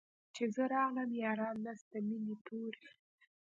چي زه راغلم ياران نسته مېني توري